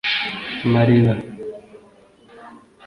Mali Ba